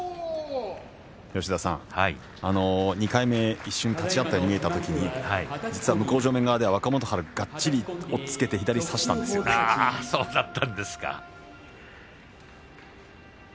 ２回目、一瞬立ち合ったように見えたときに実は向正面側では若元春がっちり押っつけて差していました。